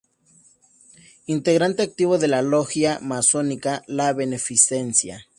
Integrante activo de la logia masónica "La Beneficencia".